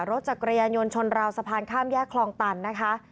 รถจักรยานยนต์ชนราวสะพานข้ามแยกคลองตันนะคะ